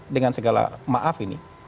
dengan segala maaf ini